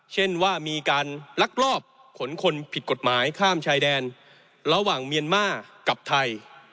เช่นว่ามีการลักลอบขนคนผิดกฎหมายข้ามชายแดนระหว่างเมียนมาร์กับไทย